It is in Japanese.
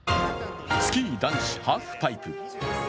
スキー男子ハーフパイプ。